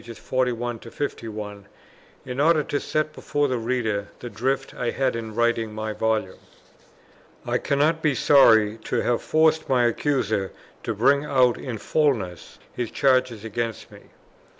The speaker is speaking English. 41 51, in order to set before the reader the drift I had in writing my Volume: I cannot be sorry to have forced my Accuser to bring out in fulness his charges against me.